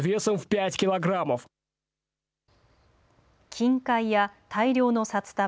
金塊や大量の札束。